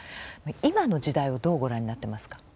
今の時代をどうご覧になってますか？